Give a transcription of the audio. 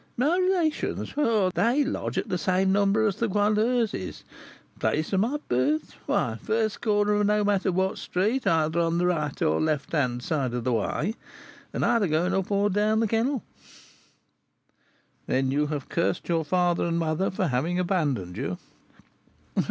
"My relations? Oh! they lodge at the same number as the Goualeuse's. Place of my birth? Why, the first corner of no matter what street, either on the right or left hand side of the way, and either going up or coming down the kennel." "Then you have cursed your father and mother for having abandoned you?"